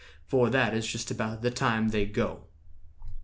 For that is just about the time they go."